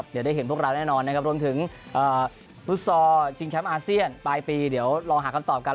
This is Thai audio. เดี๋ยวได้เห็นพวกเราแน่นอนนะครับรวมถึงฟุตซอลชิงแชมป์อาเซียนปลายปีเดี๋ยวลองหาคำตอบกัน